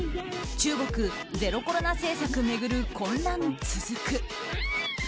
中国、ゼロコロナ政策巡る混乱続く。